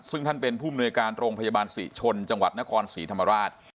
ซึ่งท่านเป็นผู้มนวยการโรงพยาบาลศรีชนจังหวัดนครศรีธรรมราช